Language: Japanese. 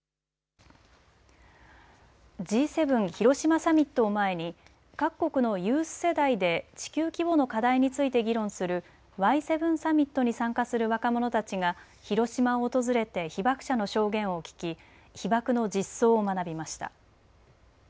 Ｇ７広島サミットを前に各国のユース世代で地球規模の課題について議論するＹ７サミットに参加する若者たちが広島を訪れて被爆者の証言を聞き被爆の実相を学びました。